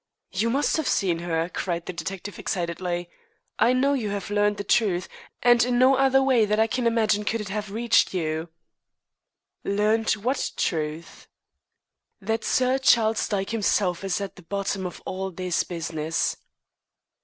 "You must have seen her," cried the detective excitedly. "I know you have learned the truth, and in no other way that I can imagine could it have reached you." "Learnt what truth?" "That Sir Charles Dyke himself is at the bottom of all this business."